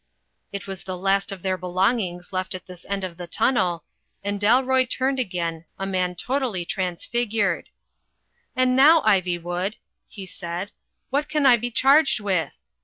It was the last of their belongings left at this end of the tunnel, and Dalroy turned again, a man totally transfigured. "And now, Ivywood," he said, "what can I be charged with?